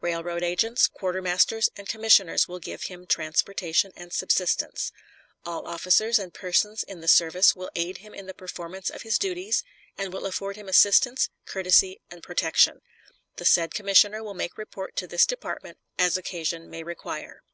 Railroad agents, quartermasters, and commissioners will give him transportation and subsistence. All officers and persons in the service will aid him in the performance of his duties, and will afford him assistance, courtesy, and protection. The said commissioner will make report to this department as occasion may require.